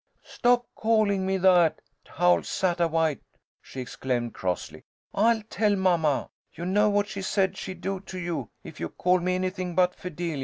"Stop calling me that, Howl Sattawhite!" she exclaimed, crossly. "I'll tell mamma. You know what she said she'd do to you if you called me anything but Fidelia."